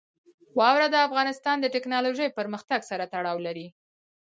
واوره د افغانستان د تکنالوژۍ پرمختګ سره تړاو لري.